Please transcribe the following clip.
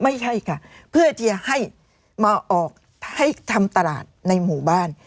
ไม่ใช่ค่ะเพื่อที่จะให้มาออกให้ทำตลาดในหมู่บ้าน